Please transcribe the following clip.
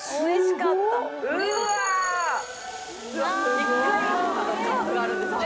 一回カーブがあるんですね。